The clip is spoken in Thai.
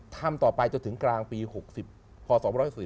ทำต่อไปจนถึงกลางปี๖๐พศ๒๔